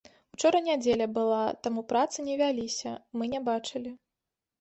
Учора нядзеля была, таму працы не вяліся, мы не бачылі.